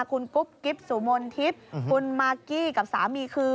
คุณกุ๊บกิ๊บสุมนทิพย์คุณมากกี้กับสามีคือ